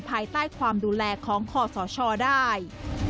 ภายใต้ความดูแลของคอสชได้